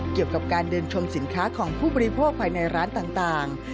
เกี่ยวกับการเดินชมสินค้าของผู้บริโภคภายในร้านต่าง